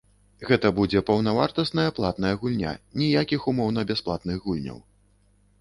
Гэта будзе паўнавартасная платная гульня, ніякіх умоўна-бясплатных гульняў.